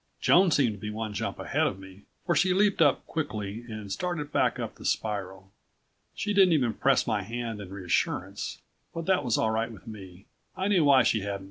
Joan seemed to be one jump ahead of me, for she leapt up quickly and started back up the spiral. She didn't even press my hand in reassurance, but that was all right with me. I knew why she hadn't.